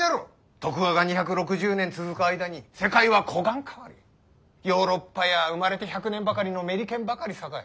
徳川が２６０年続く間に世界はこがん変わりヨーロッパや生まれて１００年ばかりのメリケンばかり栄え